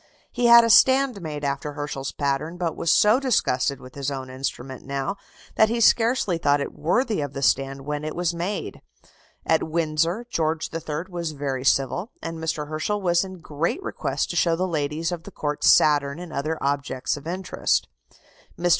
He had a stand made after Herschel's pattern, but was so disgusted with his own instrument now that he scarcely thought it worthy of the stand when it was made. At Windsor, George III. was very civil, and Mr. Herschel was in great request to show the ladies of the Court Saturn and other objects of interest. Mr.